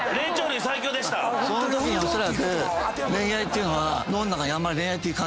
そのときにはおそらく恋愛っていうのは。